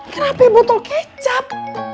kenapa botol kecap